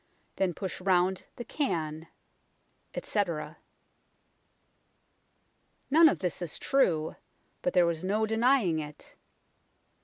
Then push round the can, etc." None of this is true, but there was no denying it.